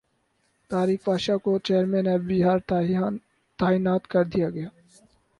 طارق پاشا کو chairman F B R تعینات کردیاگیا